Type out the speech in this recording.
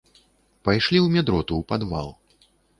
Пайшлі ў медроту ў падвал.